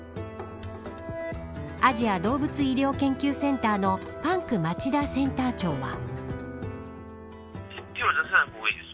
アジア動物医療研究センターのパンク町田センター長は。